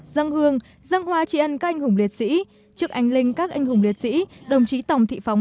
răng hương răng hoa tri ân các anh hùng liệt sĩ trước ánh linh các anh hùng liệt sĩ đồng chí tòng thị phóng